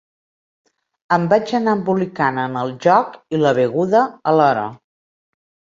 Em vaig anar embolicant en el joc i la beguda alhora.